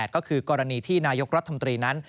๒๕๕๘ก็คือกรณีที่นายกรัฐธรรมดรีนั้น